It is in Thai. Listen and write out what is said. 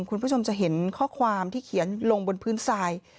คุณผู้ชมจะเห็นข้อความที่เขียนลงบนพื้นทราย